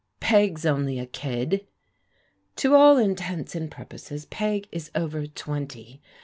" Peg's only a kid." "To all intents and purposes Peg is over twenty.